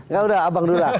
gak udah abang dura